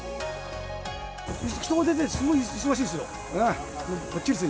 人が出て、すごく忙しいですよ。